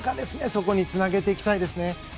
そこにつなげていきたいですね。